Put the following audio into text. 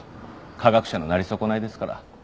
科学者のなり損ないですから。